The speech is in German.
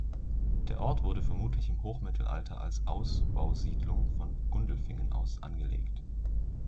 Der Ort wurde vermutlich im Hochmittelalter als Ausbausiedlung von Gundelfingen aus angelegt.